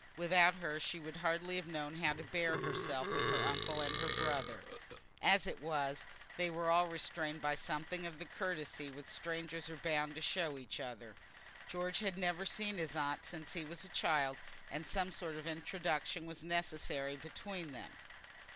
Without her she would hardly have known how to bear herself with her uncle and her brother. As it was, they were all restrained by something of the courtesy which strangers are bound to show to each other. George had never seen his aunt since he was a child, and some sort of introduction was necessary between them.